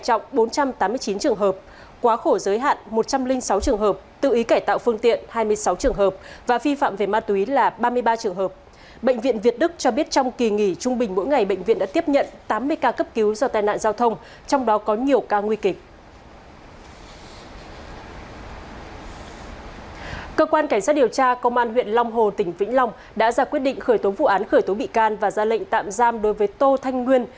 cơ quan cảnh sát điều tra công an huyện long hồ tỉnh vĩnh long đã ra quyết định khởi tố vụ án khởi tố bị can và ra lệnh tạm giam đối với tô thanh nguyên